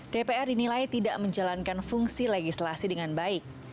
dpr dinilai tidak menjalankan fungsi legislasi dengan baik